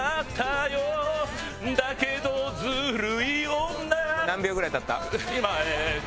「だけどズルい女」